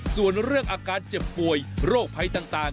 ส่วนเรื่องอาการเจ็บป่วยโรคภัยต่าง